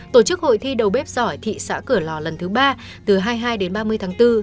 tổ chức hội thi đầu bếp giỏi thị xã cửa lò lần thứ ba từ hai mươi hai đến ba mươi tháng bốn